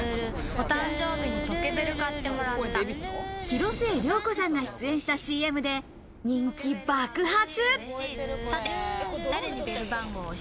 広末涼子さんが出演したＣＭで人気爆発。